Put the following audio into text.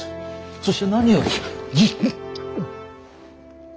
そして何よりじ。